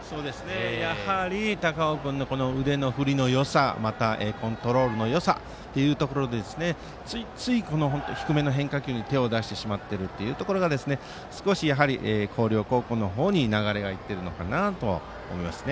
やはり高尾君の腕の振りのよさまた、コントロールのよさについつい低めの変化球に手を出してしまっているところが広陵高校の方に、流れがいっているのかなと思います。